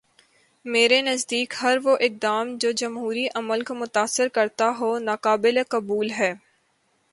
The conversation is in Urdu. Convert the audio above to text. میرے نزدیک ہر وہ اقدام جو جمہوری عمل کو متاثر کرتا ہو، ناقابل قبول ہے۔